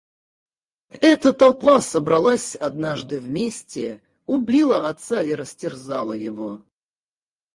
Эта толпа собралась однажды вместе, убила отца и растерзала его.